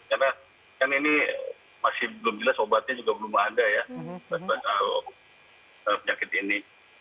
karena kan ini masih belum jelas obatnya juga belum ada ya pasal penyakit ini